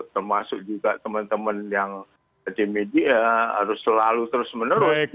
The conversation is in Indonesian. termasuk juga teman teman yang tim media harus selalu terus menerus